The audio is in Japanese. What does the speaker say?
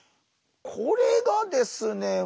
これがですね